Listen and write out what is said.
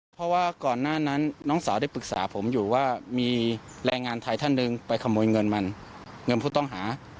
เพราะว่าก่อนหน้านั้นน้องสาวได้ปรึกษาผมอยู่ว่ามีแรงงานไทยท่านหนึ่งไปขโมยเงินมันเงินผู้ต้องหา